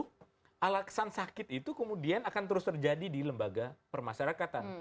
ini artinya sampai dengan oktober dua ribu dua puluh alasan sakit itu kemudian akan terus terjadi di lembaga pemasarakan